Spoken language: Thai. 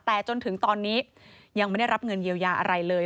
แต่จนถึงตอนนี้ยังไม่ได้รับเงินเยียวยาอะไรเลย